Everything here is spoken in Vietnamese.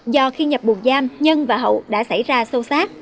do khi nhập buồn giam nhân và hậu đã xảy ra sâu sát